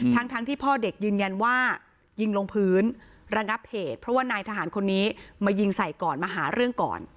ทั้งที่พ่อเด็กยืนยันว่ายิงลงพื้นระงับเหตุเพราะว่านายทหารคนนี้มายิงใส่ก่อนมาหาเรื่องก่อน